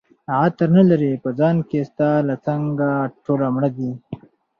عطر نه لري په ځان کي ستا له څنګه ټوله مړه دي